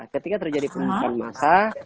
ketika terjadi penemukan massa